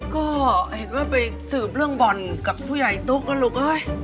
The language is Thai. ก็เห็นว่าไปสืบเรื่องบ่อนกับผู้ใหญ่ตุ๊กก็ลูกเอ้ย